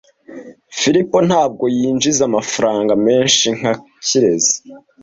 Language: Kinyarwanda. Philip ntabwo yinjiza amafaranga menshi nka Kirezi .